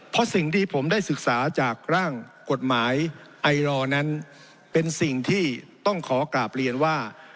เพราะสิ่งที่ผมได้ศึกษาจากร่างกฎหมายไอรอนั้นเป็นสิ่งที่ต้องขอกราบเรียนว่า